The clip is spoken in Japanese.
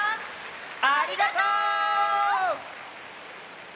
ありがとう！